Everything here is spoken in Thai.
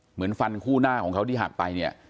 เหมือนฟันคู่หน้าของเขาที่หักไปเนี่ย